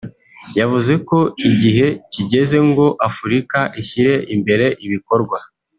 yavuze ko igihe kigeze ngo Afurika ishyire imbere ibikorwa